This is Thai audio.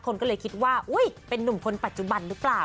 คนก็เลยคิดว่าอุ๊ยเป็นนุ่มคนปัจจุบันหรือเปล่า